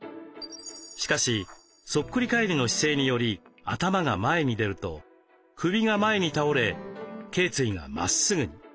しかしそっくり返りの姿勢により頭が前に出ると首が前に倒れけい椎がまっすぐに。